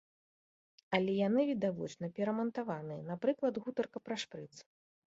Але яны відавочна перамантаваныя, напрыклад, гутарка пра шпрыц.